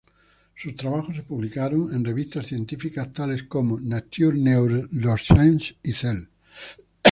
Sus trabajos se publicaron en revistas científicas tales como "Nature Neuroscience" y "Cell".